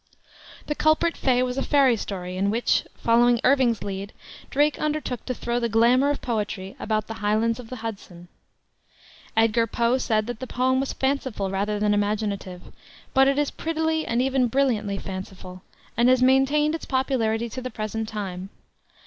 The Culprit Fay was a fairy story, in which, following Irving's lead, Drake undertook to throw the glamour of poetry about the Highlands of the Hudson. Edgar Poe said that the poem was fanciful rather than imaginative; but it is prettily and even brilliantly fanciful, and has maintained its popularity to the present time.